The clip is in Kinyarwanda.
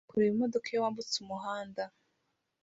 Ugomba kureba imodoka iyo wambutse umuhanda.